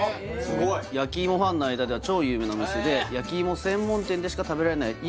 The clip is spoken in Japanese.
すごい焼き芋ファンの間では超有名なお店で焼き芋専門店でしか食べられない